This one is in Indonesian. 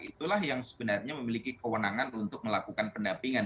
itulah yang sebenarnya memiliki kewenangan untuk melakukan pendampingan